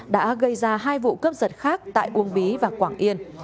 đã gây ra hai vụ cướp giật khác tại uông bí và quảng yên